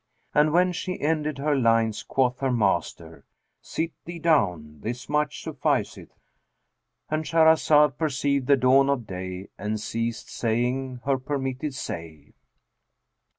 And when she ended her lines, quoth her master, 'Sit thee down, this much sufficeth!'"—And Shahrazad perceived the dawn of day and ceased saying her permitted say.